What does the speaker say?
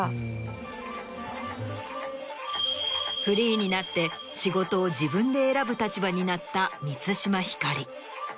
フリーになって仕事を自分で選ぶ立場になった満島ひかり。